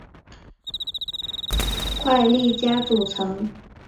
快利佳组成。